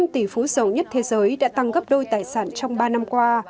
năm tỷ phú sầu nhất thế giới đã tăng gấp đôi tài sản trong ba năm qua